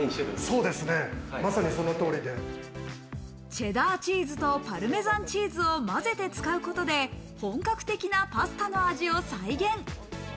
チェダーチーズとパルメザンチーズをまぜて使うことで、本格的なパスタの味を再現。